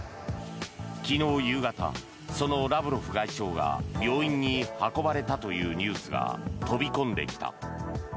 昨日夕方、そのラブロフ外相が病院に運ばれたというニュースが飛び込んできた。